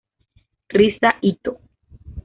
Risa Itō